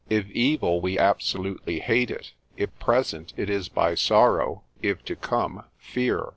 If evil, we absolute hate it; if present, it is by sorrow; if to come fear.